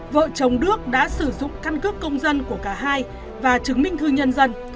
vợ chồng đức đã sử dụng căn cước công dân của cả hai và chứng minh thư nhân dân